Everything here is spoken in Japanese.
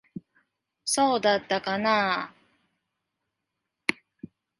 そうだったかなあ。